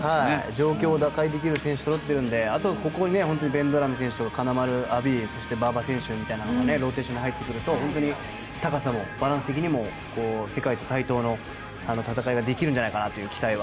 状況を打開できる選手がそろっているのであとはここにベンドラメ選手とか金丸とかアヴィ、そして馬場選手がローテーションに入ってくると高さもバランス的にも世界と対等な戦いができるんじゃないかなという期待が。